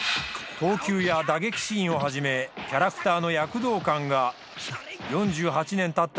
投球や打撃シーンをはじめキャラクターの躍動感が４８年たった